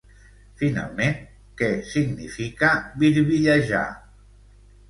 Finalment, què significa birbillejar?